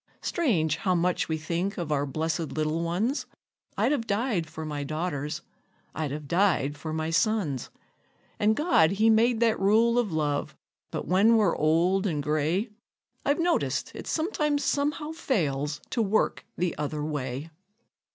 Strange how much we think of our blessed little ones! I'd have died for my daughters, I'd have died for my sons; And God he made that rule of love; but when we're old and gray, I've noticed it sometimes somehow fails to work the other way.